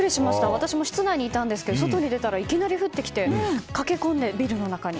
私も室内にいたんですが外を見たらいきなり降ってきて駆け込んで、ビルの中に。